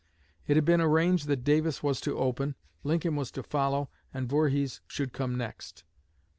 It had been arranged that Davis was to open, Lincoln was to follow, and Voorhees should come next.